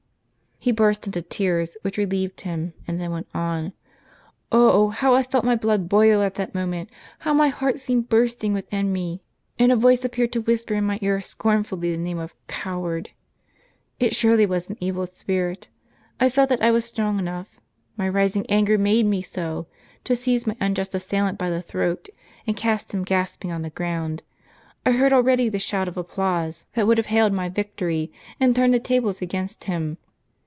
He burst into tears, which relieved him, and then went on :" Oh, how I felt my blood boil at that moment ! how my heart seemed bursting within me ; and a voice appeared to whisper in my ear scornfully the name of ' coward !' It surely was an evil spirit. I felt that I was strong enough — my rising anger made me so — to seize my unjust assailant by the throat, and cast him gasping on the ground. I heard already the shout of applause that would have hailed my victory and turned the tables against him.